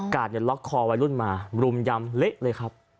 ล็อกคอวัยรุ่นมารุมยำเละเลยครับ